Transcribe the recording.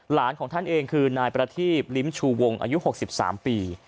ของท่านเองคือนายประทีบลิ้มชูวงอายุ๖๓ปี